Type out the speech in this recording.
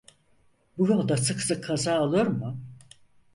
Bu yolda sık sık kaza olur mu?